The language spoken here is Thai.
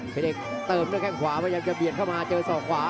เป็นเด็กเติมด้วยแข้งขวาพยายามจะเบียดเข้ามาเจอศอกขวา